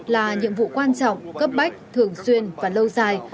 là nhiệm vụ quan trọng cấp bách thường xuyên và lâu dài